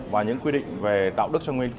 bằng cách là khám lâm sàng thật kỹ